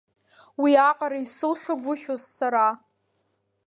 Уиаҟара исылшагәшьоз сара!